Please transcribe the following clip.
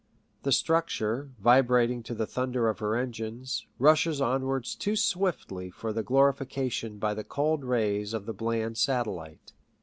The structure, vibrating to the thunder of her engines, rushes onwards too swiftly for glorification by the cold rays of the bland satellite.